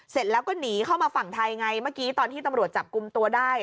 เสร็จแล้วก็หนีเข้ามาฝั่งไทยไงเมื่อกี้ตอนที่ตำรวจจับกลุ่มตัวได้